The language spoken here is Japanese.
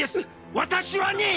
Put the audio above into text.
私はねぇ！